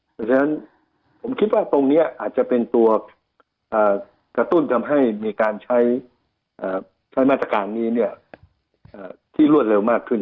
เพราะฉะนั้นผมคิดว่าตรงนี้อาจจะเป็นตัวกระตุ้นทำให้มีการใช้มาตรการนี้ที่รวดเร็วมากขึ้น